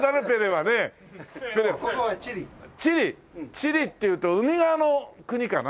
チリっていうと海側の国かな？